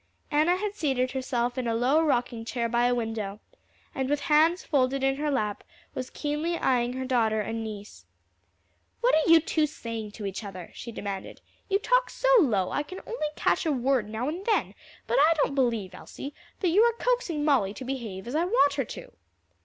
Enna had seated herself in a low rocking chair by a window, and with hands folded in her lap was keenly eying her daughter and niece. "What are you two saying to each other?" she demanded. "You talk so low I can only catch a word now and then; but I don't believe, Elsie, that you are coaxing Molly to behave as I want her to."